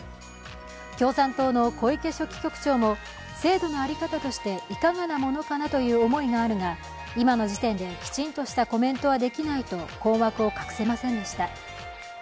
共産党の小池書記局長も制度の在り方としていかがなものかなという思いがあるが、今の時点できちんとしたコメントはできないと困惑を隠せませんでした。